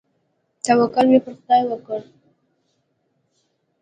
توکل مې پر خداى وکړ.